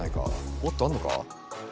もっとあんのか？